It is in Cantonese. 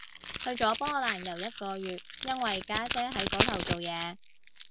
去咗波蘭遊一個月，因為家姐喺嗰頭做嘢